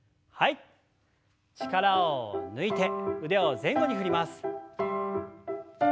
力を抜いて腕を前後に振ります。